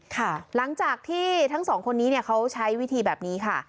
หลังจากที่ทั้งสองคนนี้เนี่ยเขาใช้วิธีแบบนี้ค่ะ